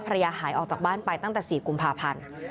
หายออกจากบ้านไปตั้งแต่๔กุมภาพันธ์